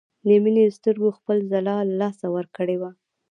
د مينې سترګو خپله ځلا له لاسه ورکړې وه